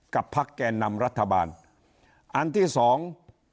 กับภักดิ์แก้นำรัฐบาลอันที่สอง